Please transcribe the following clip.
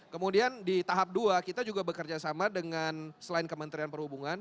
kemudian di tahap dua kita juga bekerja sama dengan selain kementerian perhubungan